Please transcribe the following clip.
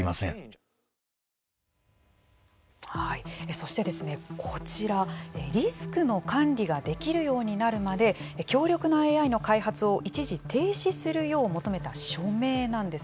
そして、こちらリスクの管理ができるようになるまで強力なＡＩの開発を一時停止するよう求めた署名なんです。